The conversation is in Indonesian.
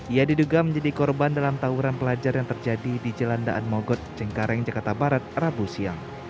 ia diduga menjadi korban dalam tawuran pelajar yang terjadi di jelandaan mogot cengkareng jakarta barat rabu siang